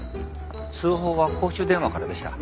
通報は公衆電話からでした。